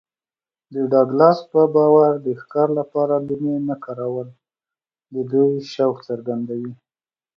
د ډاګلاس په باور د ښکار لپاره لومې نه کارول د دوی شوق څرګندوي